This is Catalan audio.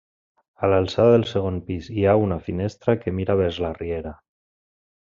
A l'alçada del segon pis hi ha una finestra que mira vers la riera.